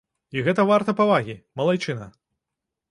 І гэта варта павагі, малайчына.